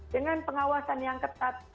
dengan pengawasan yang ketat